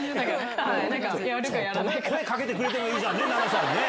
声かけてくれてもいいじゃんね、菜那さんね。